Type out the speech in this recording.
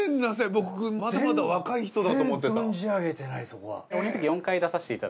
僕まだまだ若い人だと思ってた。